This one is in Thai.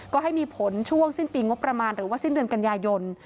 ก็ให้มีผลช่วงสิ้นปีงบประมาณหรือว่าสิ้นเดือนกันยายน